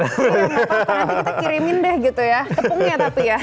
nanti kita kirimin deh gitu ya tepungnya tapi ya